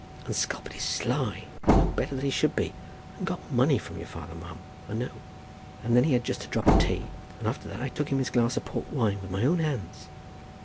And Skulpit is sly, and no better than he should be, and got money from your father, ma'am, I know. And then he had just a drop of tea, and after that I took him his glass of port wine with my own hands.